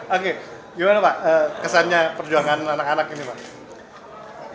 oke gimana pak kesannya perjuangan anak anak ini pak